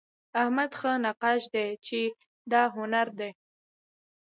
احمد ښه نقاش دئ، چي دا هنر دئ.